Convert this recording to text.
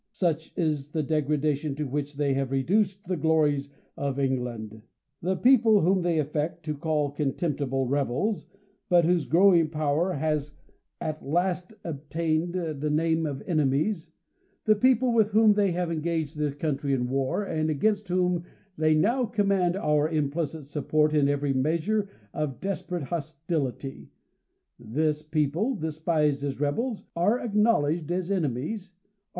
Such is the degradation to which they have reduced the glories of England ! The people, Avhom they affect to call contemptible rebels, but whose growin g power has at last obtained the 264 THE COLUMBIAN ORATOR. the name of enemies; the people with whom they have engaged this country in war, and against whom they now command our implicit support in every meas ure of desperate hostility : this people, despised as reb els, are acknowledged as enemies, are